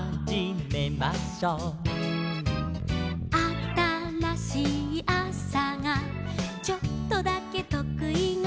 「あたらしいあさがちょっとだけとくい顔」